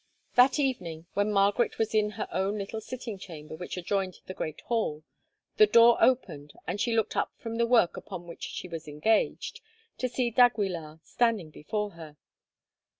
That evening, when Margaret was in her own little sitting chamber which adjoined the great hall, the door opened, and she looked up from the work upon which she was engaged, to see d'Aguilar standing before her.